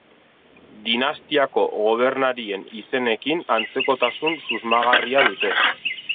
Dinastiako gobernarien izenekin antzekotasun susmagarria dute.